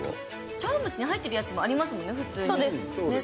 茶わん蒸しに入ってるやつもありますもんね。